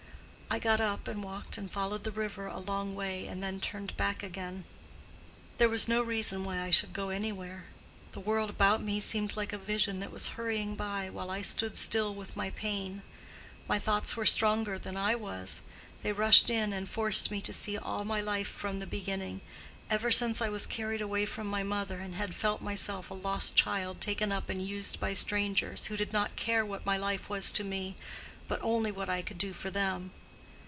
I got up and walked and followed the river a long way and then turned back again. There was no reason why I should go anywhere. The world about me seemed like a vision that was hurrying by while I stood still with my pain. My thoughts were stronger than I was; they rushed in and forced me to see all my life from the beginning; ever since I was carried away from my mother I had felt myself a lost child taken up and used by strangers, who did not care what my life was to me, but only what I could do for them.